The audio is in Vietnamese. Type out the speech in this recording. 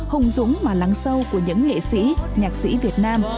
hùng dũng mà lắng sâu của những nghệ sĩ nhạc sĩ việt nam